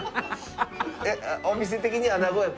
お店的に穴子やっぱり。